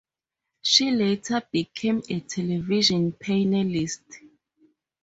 She later became a television panellist.